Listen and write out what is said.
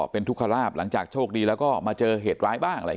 เป็นทุกคราปหลังจากโชคดีก็มาเจอเหตุร้ายบ้าง